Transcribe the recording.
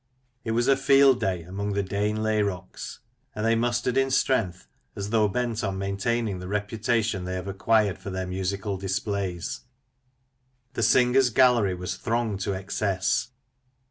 It was a " field day " among the " Deyghn Layrocks," and they mustered in strength, as though bent on maintaining the reputation they have acquired for their musical displays. The Singers' Gallery was thronged to excess.